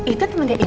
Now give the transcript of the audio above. itu temennya ibu oh